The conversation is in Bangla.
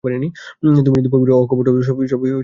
তুমি যদি পবিত্র ও অকপট হও, সবই ঠিক হয়ে যাবে।